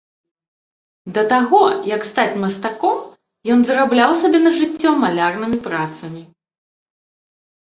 Да таго, як стаць мастаком, ён зарабляў сабе на жыццё малярнымі працамі.